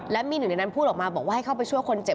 และมีหนึ่งในนั้นพูดออกมาบอกว่าให้เข้าไปช่วยคนเจ็บ